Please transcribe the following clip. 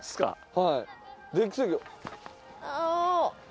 はい。